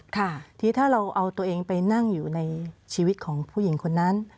ค่ะทีนี้ถ้าเราเอาตัวเองไปนั่งอยู่ในชีวิตของผู้หญิงคนนั้น